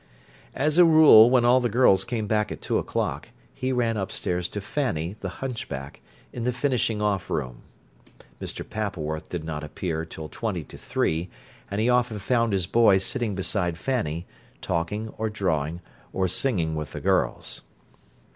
As a rule, when all the girls came back at two o'clock, he ran upstairs to Fanny, the hunchback, in the finishing off room. Mr. Pappleworth did not appear till twenty to three, and he often found his boy sitting beside Fanny, talking, or drawing, or singing with the girls.